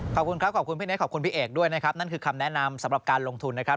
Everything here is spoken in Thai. ขอบคุณครับขอบคุณพี่เน็ตขอบคุณพี่เอกด้วยนะครับนั่นคือคำแนะนำสำหรับการลงทุนนะครับ